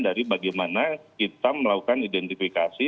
dari bagaimana kita melakukan identifikasi